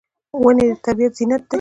ونې د طبیعت زینت دي.